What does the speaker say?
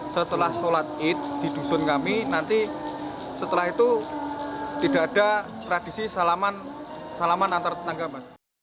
setelah sholat id di dusun kami nanti setelah itu tidak ada tradisi salaman antar tetangga mbak